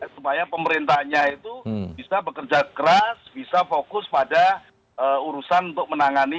supaya pemerintahnya itu bisa bekerja keras bisa fokus pada urusan untuk menangani